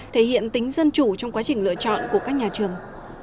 thể hiện tính dân chủ trong quá trình lựa chọn của các nhà trường